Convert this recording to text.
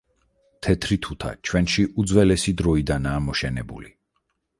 თეთრი თუთა ჩვენში უძველესი დროიდანაა მოშენებული.